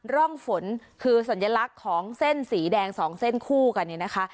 ร่องฝนคือสัญลักษณ์ของเส้นสีแดงสองเส้นคู่กันเนี่ยนะคะ